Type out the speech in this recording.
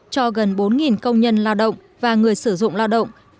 cho gần bốn công nhân lao động và người sử dụng lao động